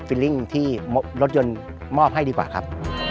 ฟิลลิ่งที่รถยนต์มอบให้ดีกว่าครับ